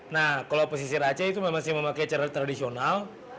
nah kalau pesisir aceh itu memang memakai cara tradisional